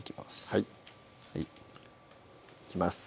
はいいきます